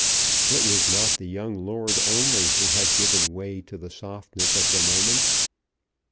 It was not the young lord only who had given way to the softness of the moment.